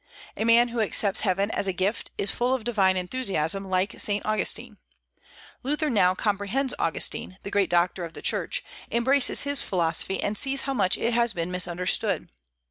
A man who accepts heaven as a gift is full of divine enthusiasm, like Saint Augustine. Luther now comprehends Augustine, the great doctor of the Church, embraces his philosophy and sees how much it has been misunderstood.